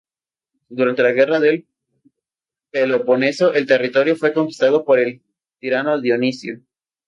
Durante la Guerra del Peloponeso, el territorio fue conquistado por el tirano Dionisio.